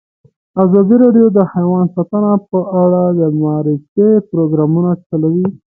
ازادي راډیو د حیوان ساتنه په اړه د معارفې پروګرامونه چلولي.